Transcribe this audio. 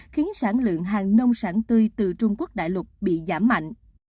khiến sản lượng hàng nông sản tươi từ trung quốc đại lục bị giảm mạnh